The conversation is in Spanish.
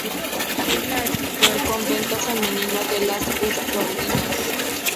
Sheila asistió al Convento femenino de las Ursulinas.